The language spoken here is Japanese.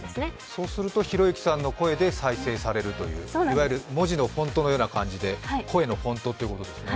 そうすると、ひろゆきさんの声で再生されるといういわゆる文字のフォントのようなことで、声のフォントということですね。